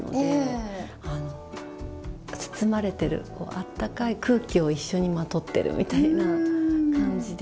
あったかい空気を一緒にまとってるみたいな感じで。